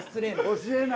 教えない。